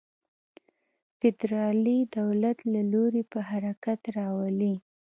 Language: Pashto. فدرالي دولت له لوري په حرکت راولي.